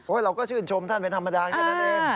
เราก็ชื่นชมท่านเป็นธรรมดาแค่นั้นเอง